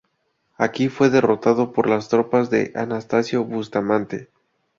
Aquí fue derrotado por las tropas de Anastasio Bustamante.